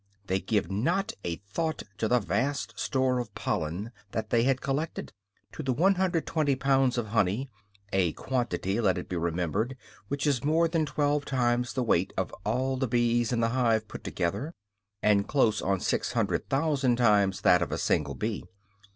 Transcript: They give not a thought to the vast store of pollen that they had collected, to the 120 pounds of honey, a quantity, let it be remembered, which is more than twelve times the weight of all the bees in the hive put together, and close on 600,000 times that of the single bee.